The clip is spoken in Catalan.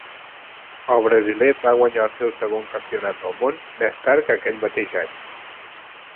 El brasiler va guanyar el seu segon Campionat del Món més tard aquell mateix any.